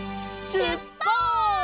しゅっぱつ！